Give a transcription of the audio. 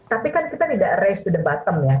tapi kan kita tidak race to the bottom ya